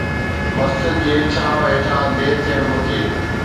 مسجد جي ڇانوَ هيٺان ڍير ٿيڻ گهرجي